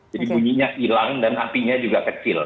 jadi bunyinya hilang dan apinya juga kecil